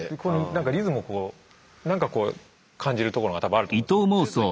なんかリズムをこうなんかこう感じるところが多分あると思うんですね。